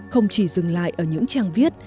không chỉ dừng lại ở những trang viết